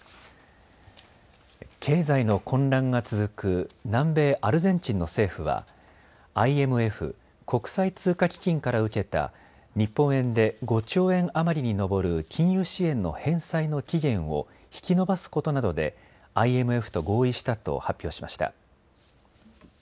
経済の混乱が続く南米アルゼンチンの政府はＩＭＦ・国際通貨基金から受けた日本円で５兆円余りに上る金融支援の返済の期限を引き延ばすことなどでＩＭＦと合意したと発表しました。